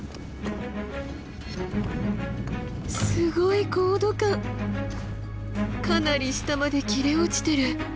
すごい高度感かなり下まで切れ落ちてる。